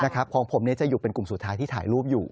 ของผมจะอยู่เป็นกลุ่มสุดท้ายที่ถ่ายรูปอยู่